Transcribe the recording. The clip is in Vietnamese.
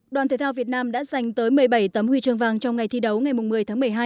đoàn thể thao việt nam đã dành tới một mươi bảy tấm huy chương vàng trong ngày thi đấu ngày một mươi tháng một mươi hai